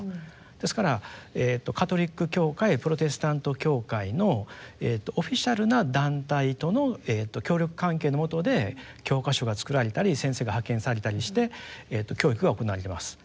ですからカトリック教会プロテスタント教会のオフィシャルな団体との協力関係のもとで教科書が作られたり先生が派遣されたりして教育が行われています。